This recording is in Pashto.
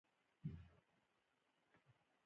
زما خبرو ته غوږ نيولی و.